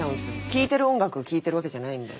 聴いてる音楽聞いてるわけじゃないんで。